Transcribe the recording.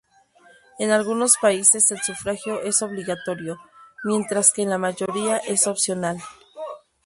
En algunos países el sufragio es obligatorio, mientras que en la mayoría es opcional.